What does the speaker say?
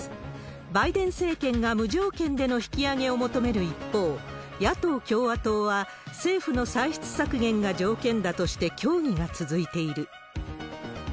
バイデン政権が無条件での引き上げを求める一方、野党・共和党は、政府の歳出削減が条件だとして、協議が続いている。